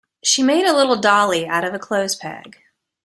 She made a little dolly out of a clothes peg